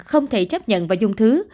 không thể chấp nhận và dùng thứ